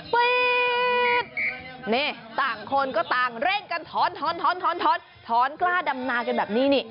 ปี๊ดนี่ต่างคนก็ต่างเร่งกันถอนกล้าดำนากันแบบนี้นี่